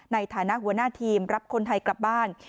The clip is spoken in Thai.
ในฐานะหัวหน้าทีมรับคนไทยกลับบ้าน